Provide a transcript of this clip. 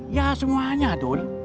ya semuanya dul